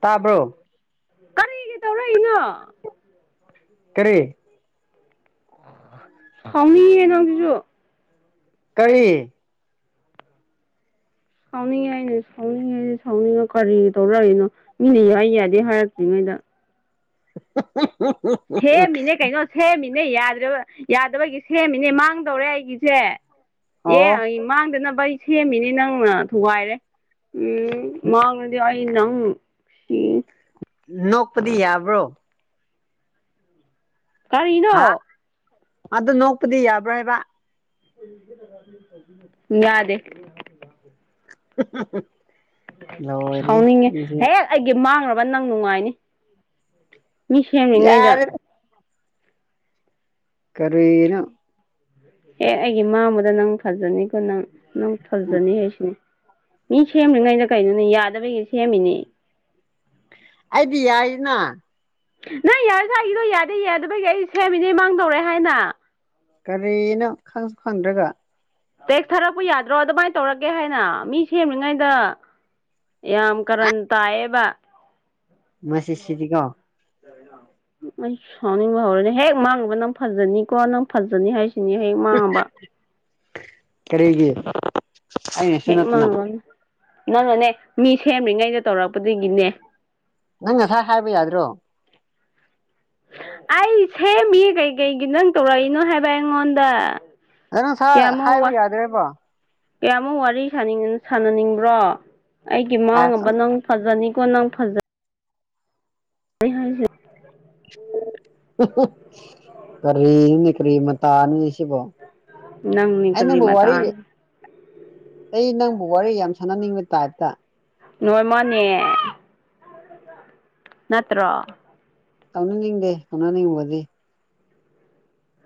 ꯇꯥꯕ꯭ꯔꯣ ꯀꯔꯤꯒꯤ ꯇꯧꯔꯛꯏꯅꯣ ꯀꯔꯤ [unintelligible] ꯁꯥꯎꯅꯤꯡꯌꯦ ꯅꯪꯁꯤꯁꯨ ꯀꯔꯤ ꯁꯥꯎꯅꯤꯡꯉꯦ ꯑꯩꯅꯦ ꯁꯥꯎꯅꯤꯡꯉꯦ ꯑꯩꯗꯤ ꯁꯥꯎꯅꯤꯡꯉ ꯀꯔꯤ ꯇꯧꯔꯛꯏꯅꯣ ꯃꯤꯅ ꯌꯥꯏ ꯌꯥꯗꯦ ꯍꯥꯏꯔꯛꯇ꯭ꯔꯤꯉꯩꯗ [unintelligible] ꯊꯦ ꯃꯤꯅꯦ ꯀꯩꯅꯣ ꯁꯦꯝꯃꯤꯅꯦ ꯌꯥꯗ꯭ꯔꯕ ꯌꯥꯗꯕꯒꯤ ꯁꯦꯝꯃꯤꯅꯦ ꯃꯥꯡꯗꯧꯔꯦ ꯑꯩꯒꯤꯁꯦ ꯑꯣ ꯑꯦ ꯃꯥꯡꯗꯅꯕ ꯑꯩ ꯁꯦꯝꯃꯤꯅꯤ ꯅꯪꯅ ꯊꯨꯒꯥꯏꯔꯦ ꯎ ꯃꯥꯡꯔꯗꯤ [unintelligible] ꯅꯪ ꯁꯤ ꯅꯣꯛꯄꯗꯤ ꯌꯥꯕ꯭ꯔꯣ ꯀꯔꯤꯅꯣ ꯍꯥ ꯑꯗꯨ ꯅꯣꯛꯄꯗꯤ ꯌꯥꯕ꯭ꯔꯥ ꯍꯥꯏꯕ ꯌꯥꯗꯦ [unintelligible] ꯂꯣꯏꯔꯦ ꯁꯥꯎꯅꯤꯡꯉꯦ ꯍꯦ ꯑꯩꯒꯤ ꯃꯥꯡꯔꯕ ꯅꯪ ꯅꯨꯡꯉꯥꯏꯅꯤ ꯃꯤ ꯁꯦꯝꯔꯤꯉꯩꯗ ꯌꯥꯔꯦ ꯀꯔꯤꯅ‌ꯣ ꯍꯦꯛ ꯑꯩꯒꯤ ꯃꯥꯡꯕꯗ ꯅꯪ ꯐꯖꯅꯤꯀꯣ ꯅꯪ ꯅꯪ ꯐꯖꯅꯤ ꯍꯥꯏꯁꯤꯅꯦ ꯃꯤ ꯁꯦꯝꯔꯤꯉꯩꯩꯗ ꯀꯩꯅꯣꯅꯦ ꯌꯥꯗꯕꯒꯤ ꯁꯦꯝꯃꯤꯅꯦ ꯑꯩꯗꯤ ꯌꯥꯏꯅ ꯅꯪ ꯌꯥꯔꯁꯨ ꯑꯩꯒꯤꯗꯣ ꯌꯥꯗꯦ ꯌꯥꯗꯕꯒꯤ ꯑꯩ ꯁꯦꯝꯃꯤꯅꯦ ꯃꯥꯡꯗꯧꯔꯦ ꯍꯥꯏꯅ ꯀꯔꯤꯅ‌ꯣ ꯈꯪꯁꯨ ꯈꯪꯗ꯭ꯔꯒ ꯇꯦꯛꯁ ꯊꯥꯔꯛꯄ ꯌꯥꯗ꯭ꯔꯣ ꯑꯗꯨꯃꯥꯏꯅ ꯇꯧꯔꯒꯦ ꯍꯥꯏꯅ ꯃꯤ ꯁꯦꯝꯔꯤꯉꯩꯗ ꯌꯥꯝ ꯀꯥꯔꯟ ꯇꯥꯏꯌꯦꯕ ꯃꯁꯤ ꯁꯤꯗꯤ ꯀꯣ ꯑꯩ ꯁꯥꯎꯅꯤꯡꯕ ꯍꯧꯔꯦꯅꯦ ꯍꯦꯛ ꯃꯥꯡꯕ ꯅꯪ ꯐꯖꯅꯤꯀꯣ ꯅꯪ ꯐꯖꯅꯤ ꯍꯥꯏꯁ ꯀꯔꯤꯒꯤ ꯑꯩꯅꯁꯨ ꯍꯦꯛ ꯅꯠꯇꯅ ꯃꯥꯡꯉ [unintelligible] ꯅꯪꯅꯅꯦ ꯃꯤ ꯁꯦꯝꯔꯤꯉꯩꯗ ꯇꯧꯔꯛꯄꯗꯒꯤꯅꯦ ꯅꯪ ꯉꯁꯥꯏ ꯍꯥꯏꯕ ꯌꯥꯗ꯭ꯔꯣ ꯑꯩ ꯁꯦꯝꯃꯤꯌ‌ꯦ ꯀꯩꯀꯩꯒꯤ ꯅꯪ ꯇꯧꯔꯛꯏꯅꯣ ꯍꯥꯏꯕ ꯑꯩꯉꯣꯟꯗ ꯑꯗꯨ ꯉꯁꯥꯏ ꯀꯌꯥꯃꯨꯛ ꯍꯥꯏꯕ ꯋꯥ ꯌꯥꯗ꯭ꯔꯦꯕꯣ ꯀꯌꯥꯃꯨꯛ ꯋꯥꯔꯤ ꯁꯥꯅꯤꯡ ꯁꯥꯟꯅꯅꯤꯡꯕ꯭ꯔꯣ ꯑꯩꯒꯤ ꯑꯁ ꯃꯥꯡꯉꯕ ꯅꯪ ꯐꯖꯅꯤꯀꯣ ꯅꯪ ꯐꯖ ꯅꯤ ꯍꯥꯏꯁꯤ [unintelligible] ꯀꯔꯤꯅꯤ ꯀꯔꯤ ꯃꯇꯥꯅꯤ ꯁꯤꯕꯣ ꯅꯪ ꯅꯤ ꯑꯩ ꯀꯔꯤ ꯅꯪꯕꯨ ꯃ ꯋꯥꯔꯤ ꯇꯥꯅ ꯑꯩ ꯅꯪꯕꯨ ꯋꯥꯔꯤ ꯌꯥꯝ ꯁꯥꯟꯅꯅꯤꯡꯕ ꯇꯥꯏꯞꯇ ꯂ‌ꯣꯏ ꯃꯥꯅꯦ ꯅꯠꯇ꯭ꯔꯣ ꯇꯧꯅꯅꯤꯡꯗꯦ ꯇꯧꯅꯅꯤꯡꯕꯗꯤ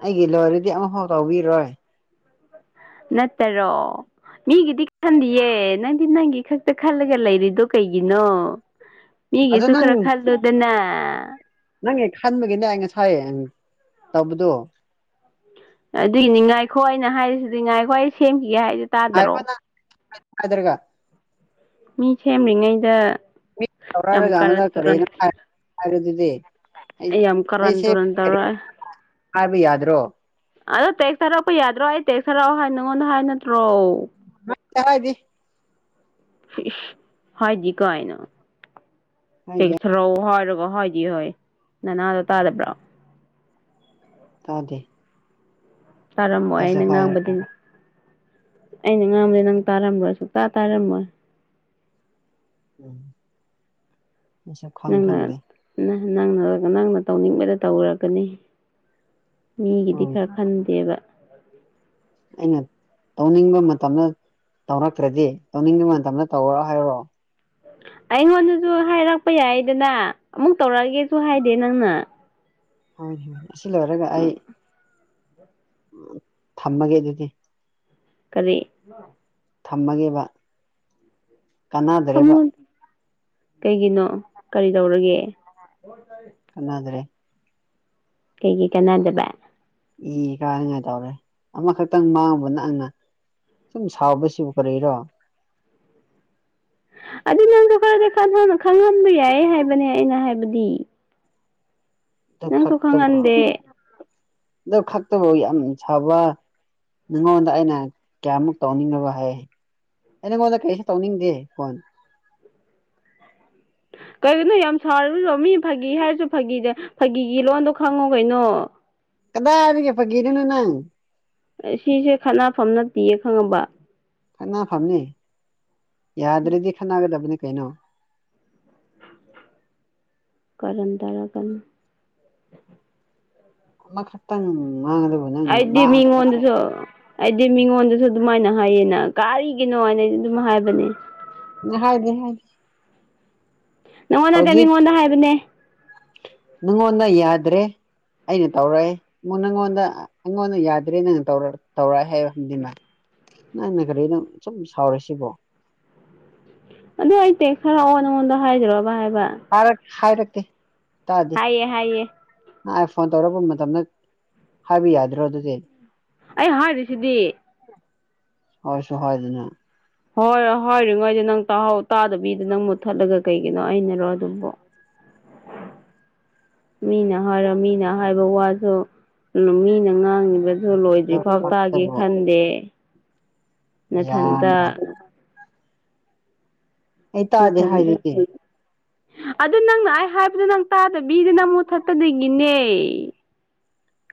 ꯑꯩꯒꯤ ꯂꯣꯏꯔꯗꯤ ꯑꯃꯐꯥꯎ ꯇꯧꯕꯤꯔꯣꯏ ꯅꯠꯇꯔꯣ ꯃꯤꯒꯤꯗꯤ ꯈꯟꯗꯤꯌꯦ ꯅꯪꯗꯤ ꯅꯪꯒꯤ ꯈꯛꯇ ꯈꯜꯂꯒ ꯂꯩꯔꯤꯗꯣ ꯀꯩꯒꯤꯅꯣ [inaudible] ꯃꯤꯒꯤꯁꯨ ꯅꯪ ꯈꯔ ꯈꯜꯂꯨꯗꯅ ꯅꯪꯒꯤ ꯈꯟꯕꯒꯤꯅꯦ ꯑꯩ ꯉꯁꯥꯏ ꯇꯧꯕꯗꯣ ꯑꯗꯨꯒꯤꯅꯤ ꯉꯥꯏꯈꯣ ꯑꯩꯅ ꯍꯥꯏꯔꯤꯁꯤꯗꯤ ꯉꯥꯏꯈꯣ ꯑꯩ ꯁꯦꯝꯈꯤꯒꯦ ꯍꯥꯏꯗ‌ꯣ ꯇꯥꯗꯔꯣ ꯐꯗꯔꯒ ꯃꯤ ꯁꯦꯝꯔꯤꯉꯩꯗ ꯁꯧꯔ ꯌꯥꯝ ꯀꯔꯟ [inaudible] ꯇꯨꯔꯟ ꯀꯔꯤꯅ‌ꯣ ꯍꯥꯏ ꯍꯥꯏꯕꯗꯨꯗꯤ ꯑꯩ ꯌꯥꯝ ꯀꯔꯟ ꯑꯩꯁꯦ ꯇꯨꯔꯟ ꯇꯧꯔꯛꯑꯦ [inaudible] ꯍꯥꯏꯕ ꯌꯥꯗ꯭ꯔꯣ ꯑꯗꯣ ꯇꯦꯛꯁ ꯊꯥꯔꯛꯄ ꯌꯥꯗ꯭ꯔꯣ ꯑꯩ ꯇꯦꯛꯁ ꯊꯥꯔꯛꯑꯣ ꯍꯥꯏ ꯅꯪꯉꯣꯟꯗ ꯍꯥꯏ ꯅꯠꯇ꯭ꯔꯣ [inaudible] ꯗꯤ ꯏꯁ ꯏꯁ ꯍꯥꯏꯗ‌ꯦ ꯀꯥꯏꯅ ꯍꯥꯏꯗꯦ ꯇ‌ꯦꯛꯁ ꯊꯥꯔ‌ꯣ ꯍꯥꯏꯔꯒ ꯍꯥꯏꯗ‌ꯦ ꯍꯥꯏ ꯅꯅꯥꯗꯣ ꯇꯥꯗꯕ꯭ꯔꯥ ꯇꯥꯗꯦ ꯇꯥꯔꯝꯃꯣꯏ ꯍꯥꯏꯁꯨ ꯑꯩꯅ ꯉꯥꯡꯕꯗꯤ ꯍꯥꯏꯔꯛꯇ꯭ꯔꯒ ꯑꯩꯅ ꯉꯥꯡꯕꯗꯤ ꯅꯪ ꯇꯥꯔꯝꯂꯣꯏ ꯁꯨꯛꯇꯥ ꯇꯥꯔꯝꯃꯣꯏ ꯎꯝ ꯃꯁꯛ ꯈꯪ ꯈꯪꯗꯦ ꯅꯥ ꯅꯪ ꯅꯪꯅ ꯇꯧꯅꯤꯡꯕꯗ ꯇꯧꯔꯒꯅꯤ ꯃꯤꯒꯤꯗꯤ ꯍꯣꯏ ꯈꯔ ꯈꯟꯗꯦꯕ ꯑꯩꯅ ꯇꯧꯅꯤꯡꯕ ꯃꯇꯝꯗ ꯇꯧꯔꯛꯇ꯭ꯔꯗꯤ ꯇꯧꯅꯤꯡꯗꯕ ꯃꯇꯝꯗ ꯇꯧꯔꯣ ꯍꯥꯏꯔꯣ ꯑꯩꯉꯣꯟꯗꯁꯨ ꯍꯥꯏꯔꯛꯄ ꯌꯥꯏꯗꯅ ꯑꯃꯨꯛ ꯇꯧꯔꯛꯑꯒꯦꯁꯨ ꯍꯥꯏꯗꯦ ꯅꯪꯅ ꯍꯣꯏꯅꯦ ꯍꯣꯏꯅꯦ ꯑꯁꯤ ꯂꯣꯏꯔꯒ ꯑꯩ ꯊꯝꯃꯒꯦ ꯑꯗꯨꯗꯤ ꯀꯔꯤ ꯊꯝꯃꯒꯦꯕ ꯀꯥꯟꯅꯗ꯭ꯔꯦꯕ ꯊꯃꯣ ꯀꯩꯒꯤꯅꯣ ꯀꯔꯤ ꯇꯧꯔꯒꯦ ꯀꯅꯗ꯭ꯔꯦ ꯀꯩꯒꯤ ꯀꯥꯟꯅꯗꯕ ꯏ ꯀꯥꯏꯅꯉꯥꯏ ꯇꯧꯔꯦ ꯑꯃꯈꯛꯇꯪ ꯃꯥꯡꯉꯨꯕ ꯅꯪꯅ ꯁꯨꯝ ꯁꯥꯎꯕꯁꯤꯕꯨ ꯀꯔꯤꯔꯣ ꯑꯗꯨ ꯅꯪꯗꯣ ꯈꯔꯗꯤ ꯈꯪꯍꯟꯕ ꯌꯥꯏ ꯍꯥꯏꯕꯅꯦ ꯑꯩꯅ ꯍꯥꯏꯕꯗꯤ ꯑꯗꯨ ꯅꯪꯁꯨ ꯈꯛꯇꯕꯨ ꯈꯪꯍꯟꯗꯦ ꯑꯗꯨꯣ ꯈꯛꯇꯕ ꯌꯥꯝ ꯁꯥꯎꯕ ꯅꯪꯉꯣꯟꯗ ꯑꯩꯅ ꯀꯌꯥꯃꯨꯛ ꯇꯧꯅꯤꯡꯗꯕ ꯍꯥꯏ ꯑꯩ ꯅꯉꯣꯟꯗ ꯀꯩꯁꯨ ꯇꯧꯅꯤꯡꯗꯦ ꯐꯣꯟ ꯀꯩꯒꯤꯅꯣ ꯌꯥꯝ ꯁꯥꯥꯎꯔꯤꯗꯨꯕꯣ ꯃꯤ ꯐꯥꯒꯤ ꯍꯥꯏꯔꯁꯨ ꯐꯥꯒꯤ ꯐꯥꯒꯤꯒꯤ ꯂꯣꯟꯗꯣ ꯈꯪꯉꯣ ꯀꯩꯅꯣ ꯀꯗꯥꯏꯗꯒꯤ ꯐꯒꯤꯔꯤꯅꯣ ꯅꯪ ꯑꯁꯤꯁꯦ ꯈꯠꯅꯐꯝ ꯅꯠꯇꯦꯌꯦ ꯈꯪꯉꯕ ꯈꯠꯅꯐꯝꯅꯤ ꯌꯥꯗ꯭ꯔꯗꯤ ꯈꯠꯅꯒꯗꯕꯅꯤ ꯀꯩꯅꯣ ꯀꯥꯔꯟ ꯇꯔꯛꯒꯅꯨ ꯑꯃ ꯈꯛꯇꯪ ꯉꯥꯡꯂꯒ ꯑꯩꯗꯤ ꯃꯤꯉꯣꯟꯗꯁꯨ ꯑꯩꯗꯤ ꯃꯤꯉꯣꯟꯗꯁꯨ ꯑꯗꯨꯃꯥꯏꯅ ꯍꯥꯏꯌꯦꯅ ꯀꯥꯔꯤꯒꯤꯅꯣ ꯍꯥꯏꯅ ꯑꯩ ꯑꯗꯨꯝ ꯍꯥꯏꯕꯅꯦ ꯍꯥꯏꯗꯤ ꯍꯥꯏꯗꯤ ꯅꯪꯉꯣꯟ ꯅꯠꯇꯦ ꯍꯧꯖꯤꯛ ꯃꯤꯉꯣꯟꯗ ꯍꯥꯏꯕꯅꯦ ꯅꯪꯉꯣꯟꯗ ꯌꯥꯗ꯭ꯔꯦ ꯑꯩꯅ ꯇꯧꯔꯛꯑꯦ ꯅꯪꯉꯣꯟꯗ ꯑꯩꯉꯣꯟꯗ ꯌꯥꯗ꯭ꯔꯦ ꯅꯪ ꯇꯧꯔꯑꯦ ꯍꯥꯏꯕ ꯈꯪꯗꯅ ꯅꯪꯅ ꯀꯔꯤꯅꯣ ꯑꯁꯨꯝ ꯁꯥꯎꯔꯤ ꯁꯤꯕꯣ ꯑꯗꯨ ꯑꯩ ꯇꯦꯛꯁ ꯊꯥꯔꯛꯑꯣ ꯅꯪꯉꯣꯟꯗ ꯍꯥꯏꯗ꯭ꯔꯣꯕ ꯍꯥꯏꯕ ꯊꯥꯔꯛ ꯍꯥꯏꯔꯛꯇꯦ ꯇꯥꯗꯦ ꯍꯥꯏꯌꯦ ꯍꯥꯏꯌꯦ ꯑꯥꯏ ꯐꯣꯟ ꯇꯧꯔꯛꯄ ꯃꯇꯝꯗ ꯍꯥꯏꯕ ꯌꯥꯗ꯭ꯔꯣ ꯑꯗꯨꯗꯤ ꯑꯩ ꯍꯥꯏꯔꯤꯁꯤꯗꯤ ꯍꯣꯏꯁꯨ ꯍꯥꯢꯗꯅ ꯍꯣꯏ ꯍꯥꯢꯗ꯭ꯔꯤꯉꯩꯗ ꯅꯪꯍ ꯇꯥꯗꯕꯤꯗ ꯅꯪ ꯃꯨꯠꯊꯠꯂꯒ ꯀꯩꯒꯤꯅꯣ ꯑꯩꯅꯔꯣ ꯑꯗꯨꯕꯨ [inaudible] ꯃꯤꯅ ꯍꯥꯏꯔ ꯃꯤꯅ ꯍꯥꯏꯕ ꯋꯥꯁꯨ ꯃꯤꯅ ꯉꯥꯡꯉꯤꯕꯗꯨ ꯂꯣꯏꯗ꯭ꯔꯤꯐꯥꯎ ꯇꯥꯒꯦ ꯑꯗꯨꯕꯨ ꯈꯟꯗꯦ ꯅꯊꯟꯇ ꯌꯥꯝꯅ ꯑꯩ ꯇꯥꯗꯦ ꯅꯊꯟ ꯍꯦ ꯍꯥꯏꯗꯨꯗꯤ ꯑꯗꯨ ꯅꯪꯅ ꯑꯩ ꯍꯥꯏꯕꯗ ꯅꯪ ꯇꯥꯗ ꯕꯤꯗ ꯅꯪ ꯃꯨꯠꯊꯠꯄꯗꯨꯒꯤꯅꯦ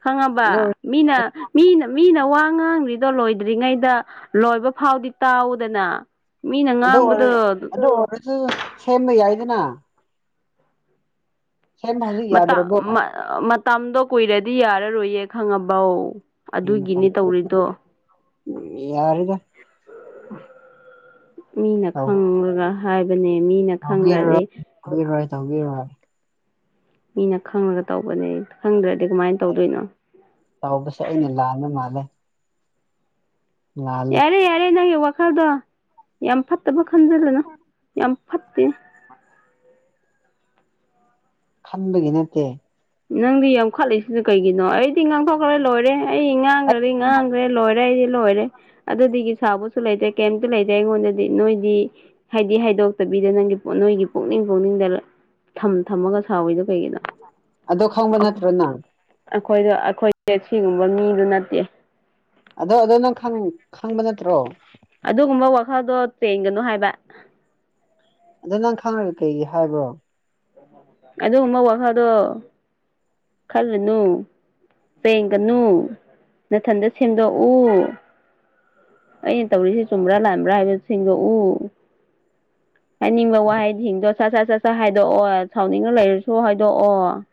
ꯈꯪꯉꯕ ꯑꯗꯨ ꯃꯤꯅ ꯃꯤꯅ ꯃꯤꯅ ꯋꯥ ꯉꯥꯡꯂꯤꯗꯣ ꯂꯣꯏꯗ꯭ꯔꯤꯉꯩꯗ ꯂꯣꯏꯕ ꯐꯥꯎꯗꯤ ꯇꯥꯎꯗꯅ ꯃꯤꯅ ꯑꯗꯨ ꯉꯥꯡꯕꯗꯣ ꯑꯣꯏꯔ ꯑꯣꯏꯔꯁꯨ ꯑꯗꯨ ꯁꯦꯝꯕ ꯌꯥꯏꯗꯅ ꯁꯦꯝꯕ ꯍꯧꯖꯤꯛ ꯌꯥꯗ꯭ꯔꯕꯣ ꯃꯇꯝꯗꯣ ꯀꯨꯏꯔꯗꯤ ꯌꯥꯔꯔꯣꯏꯌꯦ ꯈꯪꯉꯕꯧ ꯑꯗꯨꯒꯤꯅꯦ ꯇꯧꯔꯤꯗꯣ ꯎꯝ ꯌꯥꯔꯦꯗ ꯃꯤꯅ ꯇꯧ ꯈꯪꯂꯒ ꯍꯥꯏꯕꯅꯦ ꯃꯤꯅ ꯈꯪꯗ꯭ꯔꯗꯤ ꯍ ꯍꯣꯏ ꯇꯧꯕꯤꯔꯣꯏ ꯃꯤꯅ ꯈꯪꯉꯒ ꯇꯧꯕꯅꯦ ꯈꯪꯗ꯭ꯔꯗꯤ ꯀꯃꯥꯏꯅ ꯇꯧꯗꯣꯏꯅꯣ ꯆꯥꯎꯕꯁꯦ ꯑꯩꯅ ꯂꯥꯟꯜꯅ ꯃꯥꯜꯂꯦ ꯂꯥꯜꯂꯦ ꯌꯥꯔꯦ ꯌꯥꯔꯦ ꯅꯪꯒꯤ ꯋꯥꯈꯜꯗꯣ ꯌꯥꯝ ꯐꯠꯇꯕ ꯈꯟꯖꯗꯅ ꯌꯥꯝ ꯐꯠꯇꯦ [inaudible] ꯍꯟꯕꯒꯤ ꯅꯠꯇꯦ ꯅꯪꯗꯤ ꯌꯥꯝꯈꯠꯂꯛꯂꯤꯏꯁꯤꯅ ꯀꯩꯒꯤꯅꯣ ꯑꯩꯗꯤ ꯉꯥꯡꯊꯣꯛꯈ꯭ꯔꯦ ꯂꯣꯏꯔꯦ ꯑꯩ ꯉꯥꯡꯈ꯭ꯔꯗꯤ ꯉꯥꯡꯈ꯭ꯔꯦ ꯂꯣꯏꯔꯦ ꯑꯩꯗꯤ ꯂꯣꯏꯔꯦ ꯑꯗꯨꯗꯒꯤ ꯁꯥꯕꯁꯨ ꯂꯩꯇ꯭ꯔꯦ ꯀꯩꯝꯇ ꯂꯩꯇ꯭ꯔꯦ ꯑꯩꯉꯣꯟꯗꯗꯤ ꯅꯣꯏꯗꯤ ꯍꯥꯏꯗꯤ ꯍꯥꯏꯗꯣꯛꯇꯕꯤꯗ ꯅꯪꯒꯤ ꯅꯣꯏꯒꯤ ꯄꯨꯛꯅꯤꯡ ꯄꯨꯛꯅꯤꯡꯗ ꯊꯝ ꯊꯝꯃꯒ ꯁꯥꯥꯎꯋꯏꯗꯣ ꯀꯩꯒꯤꯅꯣ ꯑꯗꯣ ꯈꯪꯕꯟ ꯍꯥꯠꯇ꯭ꯔ ꯅ ꯑꯩꯈꯣꯏꯗ ꯑꯩꯈꯣꯏꯁꯦ ꯁꯤꯒꯨꯝꯕ ꯃꯤꯗꯨ ꯅꯠꯇꯦ ꯑꯗꯣ ꯑꯗꯣ ꯅꯪ ꯈꯪꯕ ꯅꯠꯇ꯭ꯔꯣ ꯑꯗꯨꯒꯨꯝꯕ ꯋꯥꯈꯜꯗꯣ ꯆꯦꯟꯒꯅꯨ ꯍꯥꯏꯕ ꯑꯗꯣ ꯅꯪ ꯈꯪꯉꯒꯦ ꯀꯩꯒꯤ ꯍꯥꯏꯕ꯭ꯔꯣ ꯑꯗꯨꯒꯨꯝꯕ ꯋꯥꯈꯜꯗꯣ ꯈꯜꯂꯨꯅꯨ ꯄꯦꯡꯒꯅꯨ ꯅꯊꯟꯗ ꯁꯦꯝꯗꯣꯛꯎ ꯑꯩꯅ ꯇꯧꯔꯤꯁꯤ ꯆꯨꯝꯕ꯭ꯔꯥ ꯂꯥꯥꯟꯕ꯭ꯔꯥ ꯍꯥꯏꯕꯁꯤꯡꯗꯣꯛꯎ ꯍꯥꯏꯅꯤꯡꯕ ꯋꯥꯍꯩ ꯊꯤꯡꯗꯣ ꯁꯠ ꯁꯠ ꯁꯠ ꯁꯠ ꯍꯥꯏꯗꯣꯛꯑꯣ ꯁꯥꯎꯅꯤꯡꯉ ꯂꯩꯔꯁꯨ ꯍꯥꯏꯗꯣꯛꯑꯣ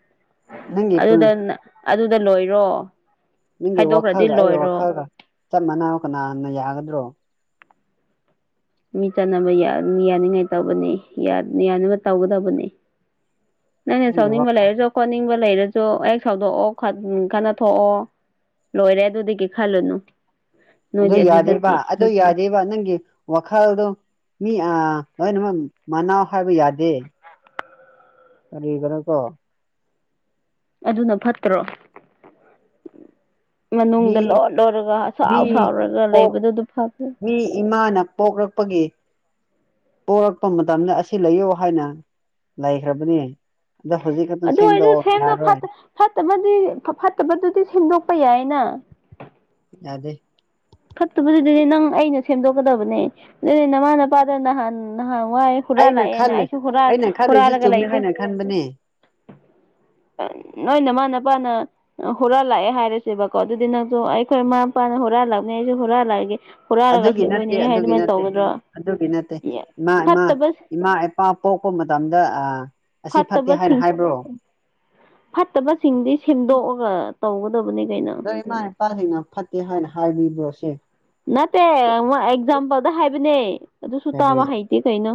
ꯅꯪꯒꯤ ꯄꯨꯟ ꯑꯗꯨꯗ ꯑꯗꯨꯗ ꯂꯣꯏꯔꯣ ꯅꯪꯒꯤ ꯍꯥꯏꯗꯣꯛꯈ꯭ꯔꯗꯤ ꯋꯥꯈꯜꯒ ꯑꯩꯒꯤ ꯂꯣꯏꯔꯣ ꯋꯥꯈꯜꯒ ꯆꯞ ꯃꯥꯟꯅꯕ ꯀꯅꯥꯅ ꯌꯥꯒꯗ꯭ꯔꯣ ꯃꯤ ꯆꯠꯅꯕ ꯌꯥꯅꯤꯡꯉꯥꯏ ꯇꯧꯕꯅꯤ ꯌꯥꯅꯕ ꯇꯧꯒꯗꯕꯅꯤ ꯅꯪꯅꯦ ꯅꯪꯒꯤ ꯁꯥꯎꯅꯤꯡꯕ ꯋꯥꯈꯜ ꯂꯩꯔꯁꯨ ꯈꯣꯠꯅꯤꯡꯕ ꯂꯩꯔꯁꯨ ꯍꯦꯛ ꯁꯧꯗꯣꯛꯑꯣ ꯈꯅ ꯊꯣꯛꯑꯣ ꯂꯣꯏꯔꯦ ꯑꯗꯨꯗꯒꯤ ꯈꯜꯂꯨꯅꯨ ꯑꯗꯨ ꯅꯣꯏꯗꯤ ꯌꯥꯗꯦꯕ ꯅꯠꯇꯦ ꯑꯗꯨ ꯌꯥꯗꯦꯕ ꯅꯪꯒꯤ ꯋꯥꯈꯜꯗꯣ ꯃꯤ ꯑ ꯂꯣꯏꯅꯃꯛ ꯃꯅꯥꯎ ꯍꯥꯏꯕ ꯌꯥꯗꯦ ꯑꯔꯤꯒꯅꯀꯣ ꯑꯗꯨꯅ ꯐꯠꯇ꯭ꯔꯣ ꯃꯤ ꯃꯅꯨꯡꯗ ꯂꯣꯏꯠ ꯂꯣꯏꯔꯒ ꯁꯥꯎ ꯁꯥꯎꯔꯒ ꯂꯩꯕꯗꯨ ꯑꯗꯨ ꯐꯠꯇ꯭ꯔꯦ ꯏꯃꯥꯅꯞ ꯄꯣꯛꯂꯛꯄꯒꯤ ꯄꯣꯔꯛꯄ ꯃꯇꯝꯗ ꯑꯁꯤ ꯂꯩꯌꯣ ꯍꯥꯏꯅ ꯂꯩꯈ꯭ꯔꯕꯅꯦ ꯑꯗꯣ ꯍꯧꯖꯤꯛꯀ ꯑꯗꯨꯝ ꯑꯗꯨ ꯁꯦꯝꯗ ꯑꯣꯏꯔꯁꯨ ꯁꯦꯝꯗꯣ ꯌꯥꯔꯣꯏ ꯐꯠꯇꯕꯗꯤ ꯐꯠꯇꯕꯗꯨꯗꯤ ꯁꯦꯝꯗꯣꯛꯄ ꯌꯥꯏꯅ ꯌꯥꯗꯦ ꯐꯠꯇꯕꯗꯨ ꯑꯗꯨꯗꯤ ꯅꯪ ꯑꯩꯅ ꯁꯦꯝꯗꯣꯛꯀꯗꯕꯅꯦ ꯑꯗꯨꯗꯤ ꯅꯃꯥ ꯅꯄꯥꯗ ꯅꯍꯥꯟ ꯅꯍꯥꯟ ꯋꯥꯏ ꯑꯩꯅ ꯍꯨꯔꯥꯜꯂꯛꯑꯦꯅ ꯈꯜꯂꯤꯦ ꯑꯩꯁꯨ ꯍꯨꯔꯥꯜ ꯑꯩꯅ ꯈꯜꯂꯤꯁꯨ ꯍꯨꯔꯥꯜꯂꯒ ꯆꯨꯝꯃꯦ ꯂꯩꯗꯣ ꯍꯥꯏꯅ ꯈꯟꯕꯅꯦ ꯅꯣꯏ ꯅꯃꯅꯄꯥꯅ ꯍꯨꯔꯜꯂꯛꯑꯦ ꯍꯥꯏꯔꯁꯦꯕꯀꯣ ꯑꯗꯨꯗꯤ ꯅꯪꯁꯨ ꯑꯩꯈꯣꯏ ꯃꯃꯥ ꯃꯄꯥꯅ ꯍꯨꯔꯜꯂꯛꯅꯦ ꯑꯩꯁꯨ ꯍꯨꯔꯛꯜꯂꯛꯑꯒꯦ ꯍꯨꯔꯥꯔꯒ ꯑꯗꯨꯒꯤ ꯅꯠꯇꯦ ꯍꯤꯡꯗꯣꯏꯅꯤ ꯑꯗꯨꯒꯤ ꯑꯗꯨꯃꯥꯏꯅ ꯅꯠꯇꯦ ꯇꯧꯒꯗ꯭ꯔꯣ ꯑꯗꯨꯒꯤ ꯅꯠꯇꯦ ꯏꯃꯥ ꯏꯃꯥ ꯐꯠꯇꯕ ꯏꯃꯥ ꯏꯄꯥ ꯄꯣꯛꯄ ꯃꯇꯝꯗ ꯑ ꯐꯠꯇ ꯄ ꯁꯤ ꯐꯠꯇꯕꯁꯤꯡꯗꯤ ꯁꯦꯝꯗꯣꯛꯑꯒ ꯇꯧꯒꯗꯕꯅꯤ ꯀꯩꯅꯣ ꯑꯗꯣ ꯏꯃꯥ ꯏꯄꯥꯈꯅ ꯐꯠꯇꯦ ꯍꯥꯏꯅ ꯍꯥꯏꯕꯤꯕ꯭ꯔꯣꯁꯦ ꯅꯠꯇꯦ ꯑꯦꯛꯖꯥꯝꯄꯜꯗ ꯍꯥꯏꯕꯅꯦ ꯑꯗꯨꯁꯨ ꯀꯔꯤ ꯇꯥꯕ ꯍꯩꯇꯦ ꯀꯩꯅꯣ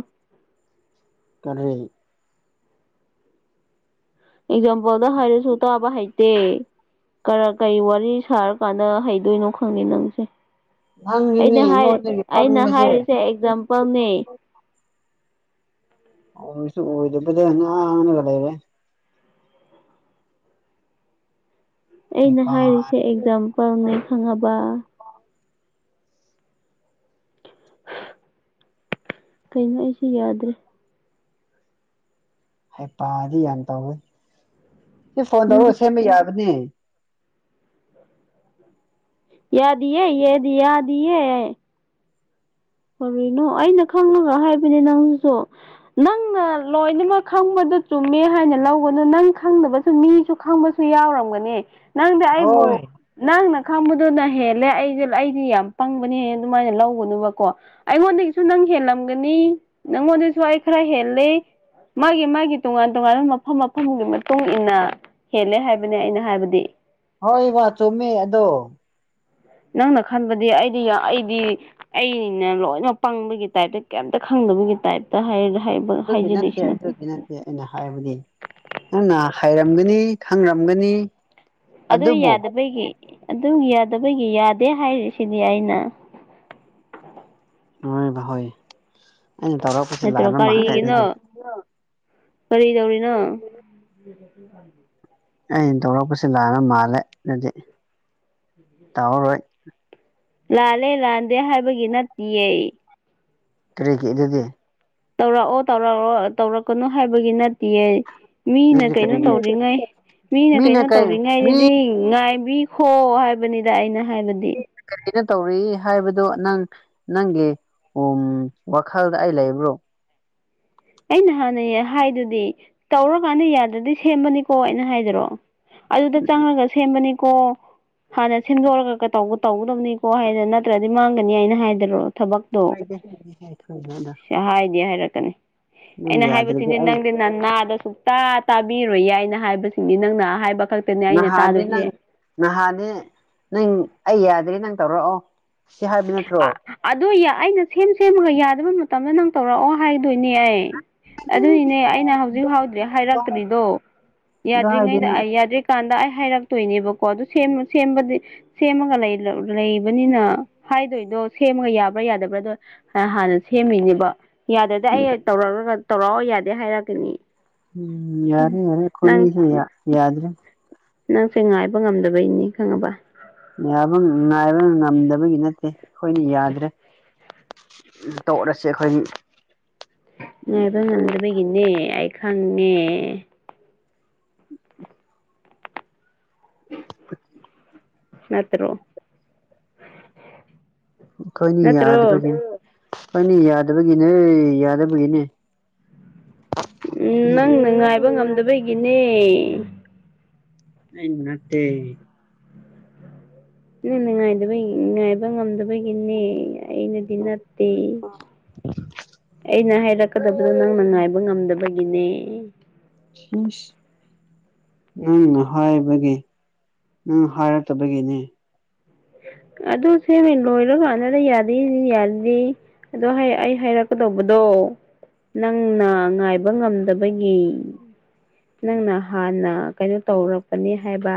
ꯇꯔꯔꯤ ꯑꯦꯛꯖꯥꯝꯄꯜꯗ ꯍꯥꯏꯔꯁꯨ ꯇꯥꯕ ꯍꯩꯇꯦ ꯀꯔ ꯀꯔꯤ ꯋꯥꯔꯤ ꯁꯥꯔꯀꯥꯟꯗ ꯍꯩꯗꯣꯏꯅꯣ ꯈꯪꯅꯤꯦ ꯅꯪꯁꯦ ꯅꯪꯒꯤꯅꯦ ꯑꯩꯅ ꯍꯥꯏ ꯑꯩꯉꯣꯟꯗꯒꯤ ꯑꯩꯅ ꯄꯪꯕꯁꯦ ꯍꯥꯏꯔꯤꯁꯦ ꯑꯦꯛꯖꯥꯝꯄꯜꯅꯤ ꯑꯣꯗ ꯑꯉ ꯀꯔꯦ ꯑꯩꯅ ꯍꯩꯄꯥ ꯍꯥꯏꯔꯤꯁꯦ ꯑꯦꯛꯖꯥꯝꯄꯜꯅꯦ ꯈꯪꯉꯕ ꯀꯩꯅꯣ ꯑꯩꯁꯨ ꯌꯥꯗ꯭ꯔꯦ ꯍ ꯄꯥꯗꯤ ꯌꯥꯝ ꯇꯧꯋꯦ ꯁꯤ ꯐꯣꯟ ꯅꯪꯗꯨ ꯇꯧꯔꯑꯣ ꯁꯦꯝꯕ ꯌꯥꯕꯅꯦ ꯌꯥꯗꯦ ꯌꯦꯗꯤ ꯌꯥꯗꯤ ꯀꯔꯤꯅꯣ ꯑꯩꯅ ꯈꯪꯉꯒ ꯍꯥꯏꯕꯅꯦ ꯅꯪꯁꯨ ꯅꯪꯅ ꯂꯣꯏꯅꯃꯛ ꯈꯪꯕꯗ ꯆꯨꯝꯃꯦ ꯍꯥꯏꯅ ꯂꯧꯒꯅ ꯅꯪ ꯈꯪꯗꯕꯁꯨ ꯃꯤꯁꯨ ꯈꯪꯕꯁꯨ ꯁꯨ ꯌꯥꯎꯔꯝꯒꯅꯤ ꯅꯪꯗꯤ ꯑꯩꯕꯨ ꯍꯣꯏ ꯅꯪꯅ ꯈꯪꯕꯗꯨꯅ ꯍꯦꯜꯂꯦ ꯑꯩ ꯑꯩꯗꯤ ꯌꯥꯝ ꯄꯪꯕꯅꯤ ꯑꯗꯨꯃꯥꯏꯅ ꯂꯧꯒꯅꯨꯕꯀꯣ ꯑꯩꯉꯣꯟꯗꯒꯤꯁꯨ ꯅꯪ ꯍꯦꯜꯂꯝꯒꯅꯤ ꯅꯪꯉꯣꯟꯗꯁꯨ ꯑꯩ ꯈꯔ ꯍꯦꯜꯜꯂꯤꯦ ꯃꯥꯒꯤ ꯃꯥꯒꯤ ꯇꯣꯉꯥꯟ ꯇꯣꯉꯥꯟꯕ ꯃꯐꯝ ꯃꯐꯝꯒꯤ ꯃꯇꯨꯡ ꯏ ꯃꯇꯨꯡꯏꯟꯅ ꯍꯦꯜꯂꯦ ꯍꯥꯏꯕꯅꯦ ꯑꯩꯅ ꯍꯥꯏꯕꯗꯤ ꯍꯣꯏ ꯋꯥ ꯆꯨꯝꯃꯦ ꯑꯗꯣ ꯅꯪꯅ ꯈꯟꯕꯗꯤ ꯑꯩꯗꯤ ꯑꯩꯗꯤ ꯑꯩꯅꯤꯅ ꯂꯣꯏꯅꯃꯛ ꯄꯪꯕꯒꯤ ꯇꯥꯏꯞꯇ ꯀꯩꯝꯇ ꯈꯪꯗꯕꯒꯤ ꯇꯥꯏꯞꯇ ꯍꯥꯏꯖꯗꯤꯁꯅ ꯑꯦ ꯑꯩꯅ ꯍꯥꯏꯕꯗꯤ ꯅꯪꯅ ꯍꯥꯏꯔꯝꯒꯅꯤ ꯈꯪꯔꯝꯒꯅꯤ ꯑꯗꯨ ꯑꯗꯨꯕꯨ ꯌꯥꯗꯕꯒꯤ ꯑꯗꯨ ꯌꯥꯗꯕꯒꯤ ꯌꯥꯗꯦ ꯍꯥꯏꯔꯤꯁꯤꯗꯤ ꯑꯩꯅ ꯑꯣ ꯍꯣꯏ ꯅꯠꯇ꯭ꯔꯣ ꯂꯥꯟꯕ ꯃꯥꯜꯂꯦ ꯀꯔꯤꯒꯤꯅꯣ ꯑꯗꯨꯗꯤ ꯀꯔꯤ ꯇꯧꯔꯤꯅꯣ [inaudible] ꯑꯩꯅ ꯇꯧꯔꯛꯄꯁꯤ ꯂꯥꯟꯅ ꯃꯥꯜꯂꯦ ꯑꯗꯨꯗꯤ ꯇꯧꯔꯔꯣꯏ ꯂꯥꯜꯂꯦ ꯂꯥꯟꯗꯦ ꯍꯥꯏꯕꯒꯤ ꯅꯠꯇꯦꯦ ꯀꯔꯤꯒꯤ ꯑꯗꯨꯗꯤ ꯇꯧꯔꯛꯑꯣ ꯇꯧꯔꯛꯑꯣ ꯇꯧꯔꯛꯀꯅꯨ ꯍꯥꯏꯕꯒꯤ ꯅꯠꯇꯦꯌꯦ ꯃꯤꯅ ꯑꯗꯨꯗꯤ ꯀꯩꯅꯣ ꯀꯔꯤꯒꯤ ꯇꯧꯔꯤꯉꯩ ꯃꯤꯅ ꯀꯩꯅꯣ ꯀꯩ ꯃꯤ ꯇꯧꯔꯤꯉꯩꯗꯗꯤ ꯉꯥꯏꯕꯤ ꯍꯣ ꯍꯥꯏꯕꯅꯤꯗ ꯑꯩꯅ ꯍꯥꯏꯕꯅꯤ ꯀꯔꯤꯅ ꯇꯧꯔꯤ ꯍꯥꯏꯕꯗꯣ ꯅꯪ ꯅꯪꯒꯤ ꯎ ꯋꯥꯈꯜꯗ ꯑꯩ ꯂꯩꯕ꯭ꯔꯣ ꯑꯩꯅ ꯍꯥꯟꯅ ꯍꯥꯏꯗꯨꯗꯤ ꯇꯧꯔꯀꯥꯟꯗ ꯌꯥꯗ꯭ꯔꯗꯤ ꯁꯦꯝꯕꯅꯤꯀꯣ ꯑꯩꯅ ꯍꯥꯏꯗꯔꯛꯑꯣ ꯑꯗꯨꯗ ꯆꯪꯉꯒ ꯁꯦꯝꯕꯅꯤꯀꯣ ꯍꯥꯟꯅ ꯁꯤꯟꯗꯣꯔꯒꯧꯕ ꯇꯧꯒꯗꯕꯅꯤꯀꯣ ꯍꯥꯏꯗꯅ ꯅꯠꯇ꯭ꯔꯗꯤ ꯃꯥꯡꯒꯅꯤ ꯍꯥꯏꯅ ꯍꯥꯏꯗꯔꯣ ꯊꯕꯛꯇꯣ ꯁꯤ ꯍꯥꯏꯗꯤꯦ ꯍꯥꯏꯔꯛꯀꯅꯤ ꯅꯪ ꯑꯩꯅ ꯌꯥꯗ꯭ꯔꯗꯤ ꯍꯥꯏꯕꯁꯤꯗꯤ ꯑꯩ ꯅꯪꯗꯤ ꯅꯅꯥꯗ ꯁꯨꯛꯇ ꯇꯥꯕꯤꯔꯣꯏ ꯌꯥꯏꯅ ꯍꯥꯏꯕꯕꯁꯤꯅꯤ ꯅꯪꯅ ꯍꯥꯏꯕ ꯈ ꯅꯍꯥꯟꯅꯦ ꯅꯪ ꯅꯍꯥꯟꯅꯦ ꯅꯪ ꯑꯩ ꯌꯥꯗꯦ ꯅꯪ ꯇꯧꯔꯛꯑꯣ ꯁꯤ ꯍꯥꯏꯕ ꯅꯠꯇ꯭ꯔꯣ ꯑꯗꯨ ꯑꯩꯅ ꯁꯦꯝ ꯁꯦꯝꯃꯒ ꯌꯥꯗꯕ ꯃꯇꯝꯗ ꯅꯪ ꯇꯧꯔꯛꯑꯣ ꯍꯥꯏꯗꯣꯏꯅꯦ ꯑꯦ ꯑꯗꯨꯅꯤꯅꯦ ꯑꯗꯨ ꯑꯩꯅ ꯍꯧꯖꯤꯛ ꯍꯥꯎꯗ꯭ꯔꯦ ꯍꯥꯏꯔꯛꯇ꯭ꯔꯤꯗꯣ ꯍꯥꯏꯗꯤ ꯌꯥꯗ꯭ꯔꯤꯉꯩꯗ ꯅꯪ ꯑꯌꯥꯗꯦ ꯀꯥꯟꯗ ꯑꯩ ꯍꯥꯏꯔꯛꯇꯣꯏꯅꯦꯕꯀꯣ ꯑꯗꯨ ꯁꯦꯝꯕ ꯁꯦꯝꯕꯗꯤ ꯁꯦꯝꯃꯒ ꯂꯩꯇꯥ ꯂꯩꯕꯅꯤꯅ ꯍꯥꯏꯗꯣꯏꯗꯣ ꯁꯦꯝꯃꯒ ꯌꯥꯕ꯭ꯔꯥ ꯌꯥꯗꯕ꯭ꯔꯥꯗꯣ ꯍꯥꯟꯅ ꯁꯦꯝꯃꯤꯅꯦꯕ ꯌꯥꯗꯗꯤ ꯑꯩ ꯇꯧꯔꯛꯒ ꯇꯧꯔꯛꯑꯣ ꯌꯥꯗꯦ ꯍꯥꯏꯔꯛꯀꯅꯤ ꯎꯝ ꯌꯥꯔꯦ ꯌꯥꯔꯦ ꯅꯪ ꯀꯣꯏꯅꯗ ꯌꯥꯗ꯭ꯔꯔꯤ ꯅꯪꯁꯦ ꯉꯥꯏꯕ ꯉꯝꯗꯕꯩꯅꯤ ꯈꯪꯉꯕ ꯌꯥꯕ ꯉꯥꯏꯕ ꯉꯝꯗꯕꯒꯤ ꯅꯠꯇꯦ ꯑꯩꯈꯣꯏꯅ ꯌꯥꯗ꯭ꯔꯦ ꯇꯧꯠꯂꯁꯦ ꯑꯩꯈꯣꯏꯒꯤ ꯉꯥꯏꯕ ꯉꯝꯗꯕꯒꯤꯅꯦ ꯑꯩ ꯈꯪꯉꯦ [inaudible] ꯅꯠꯇ꯭ꯔꯣ ꯑꯩꯈꯣꯏꯅꯤ ꯅꯠꯇ꯭ꯔꯣ ꯌꯥꯗꯕꯒꯤ ꯑꯩꯈꯣꯏꯅꯤ ꯌꯥꯗꯕꯒꯤꯅꯦ ꯌꯥꯗꯕꯒꯤꯅꯦ ꯅꯪꯅ ꯉꯥꯏꯕ ꯉꯝꯗꯕꯒꯤꯅꯦ ꯑꯩ ꯅꯠꯇꯦ ꯅꯅꯨꯡꯉꯥꯏꯕ ꯉꯥꯏꯕ ꯉꯝꯗꯕꯒꯤꯅꯦ ꯑꯩꯅꯗꯤ ꯅꯠꯇꯦ ꯑꯩꯅ ꯍꯥꯏꯔ ꯆꯀꯗꯕꯗꯣ ꯅꯪꯅ ꯉꯥꯏꯕ ꯉꯝꯗꯕꯒꯤꯅꯦ ꯍ ꯅꯪꯅ ꯍꯥꯏꯕꯒꯤ ꯅꯪ ꯍꯥꯏꯔꯛꯇꯕꯒꯤꯅꯦ ꯑꯗꯨ ꯁꯦꯝꯃ ꯂꯣꯏꯔ ꯀꯥꯟꯗꯗ ꯌꯥꯗ ꯌꯥꯗꯦ ꯑꯗꯣ ꯑꯩ ꯍꯥꯏꯔꯛꯀꯗꯧꯕꯗꯣ ꯅꯪꯅ ꯉꯥꯏꯕ ꯉꯝꯗꯕꯒꯤ ꯅꯪꯅ ꯍꯥꯟꯅ ꯀꯩꯅꯣ ꯇꯧꯔꯛꯄꯅꯤ ꯍꯥꯏꯕ